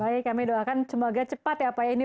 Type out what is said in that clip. baik kami doakan semoga cepat ya pak ya ini